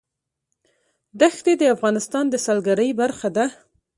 دښتې د افغانستان د سیلګرۍ برخه ده.